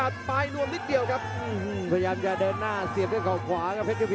เสียบด้วยซ้ายครับ